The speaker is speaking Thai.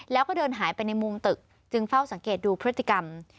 แล้วก็เดินหายไปในมุมตึกจึงเฝ้าสังเกตดูพฤติกรรม